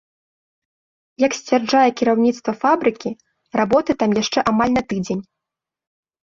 Як сцвярджае кіраўніцтва фабрыкі, работы там яшчэ амаль на тыдзень.